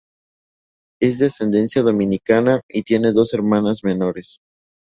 Es de ascendencia dominicana y tiene dos hermanas menores.